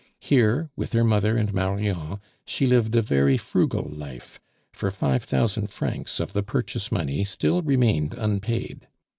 Here, with her mother and Marion, she lived a very frugal life, for five thousand francs of the purchase money still remained unpaid.